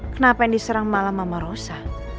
kenapa yang diserang malah mama rosa